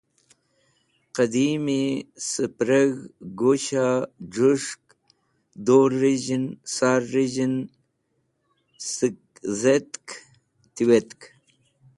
Dẽdimi, sẽprẽg̃h, gusha, jũs̃hkẽ, dur rizhẽn, sar riz̃hen, sẽkedhekẽt tiwitk.